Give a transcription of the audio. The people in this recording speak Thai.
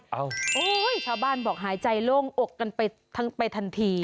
โอ้โหชาวบ้านบอกหายใจโล่งอกกันไปทันที